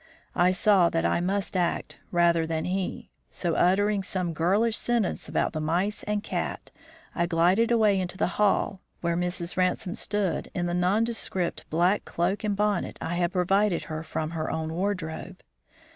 I saw that I must act, rather than he, so uttering some girlish sentence about the mice and cat, I glided away into the hall, where Mrs. Ransome stood in the nondescript black cloak and bonnet I had provided her from her own wardrobe.